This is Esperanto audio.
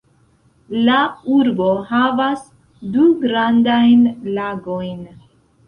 La urbo havas du grandajn lagojn.